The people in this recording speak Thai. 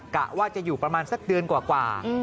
กะว่าจะอยู่ประมาณสักเดือนกว่า